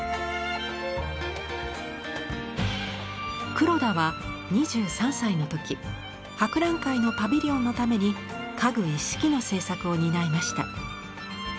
黒田は２３歳の時博覧会のパビリオンのために家具一式の制作を担いました。